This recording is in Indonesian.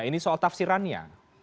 ini soal tafsirannya